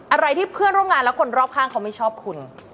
อะไรที่เพื่อนร่วมงานและคนรอบข้างเขาไม่ชอบคุณ